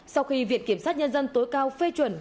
sau khi viện kiểm sát nhân dân tối cao phê chuẩn